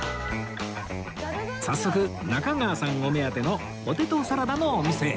早速中川さんお目当てのポテトサラダのお店へ